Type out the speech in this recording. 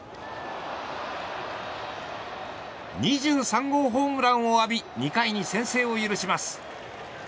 ２３号ホームランを浴び２回に先制を許します。